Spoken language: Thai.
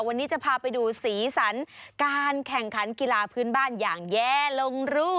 วันนี้จะพาไปดูสีสันการแข่งขันกีฬาพื้นบ้านอย่างแย่ลงรู